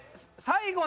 最後！？